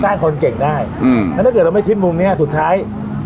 คนเก่งได้อืมแล้วถ้าเกิดเราไม่คิดมุมเนี้ยสุดท้าย